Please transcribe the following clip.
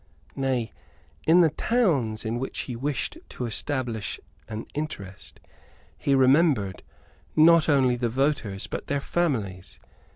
Nay, in the towns in which he wished to establish an interest, he remembered, not only the voters, but their families.